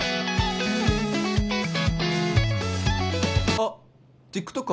あっＴｉｋＴｏｋ